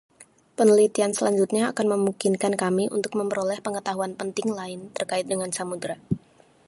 Penelitian selanjutnya akan memungkinkan kami untuk memperoleh pengetahuan penting lain terkait dengan samudra.